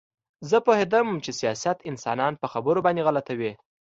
زه پوهېدم چې سیاست انسانان په خبرو باندې غلطوي